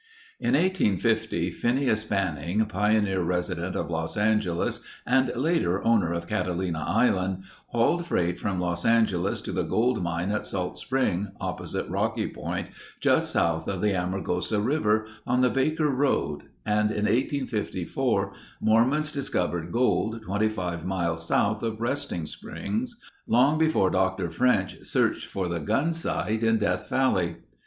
In 1850, Phineas Banning, pioneer resident of Los Angeles and later owner of Catalina Island, hauled freight from Los Angeles to the gold mine at Salt Spring opposite Rocky Point just south of the Amargosa River on the Baker road and in 1854 Mormons discovered gold 25 miles south of Resting Springs, long before Dr. French searched for the Gunsight in Death Valley.